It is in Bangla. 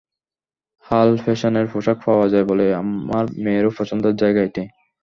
হাল ফ্যাশনের পোশাক পাওয়া যায় বলে আমার মেয়েরও পছন্দের জায়গা এটি।